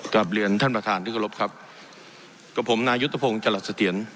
กลับเรียนท่านประธานที่กรบครับกับผมนายุทธพงศ์จรัสเสถียร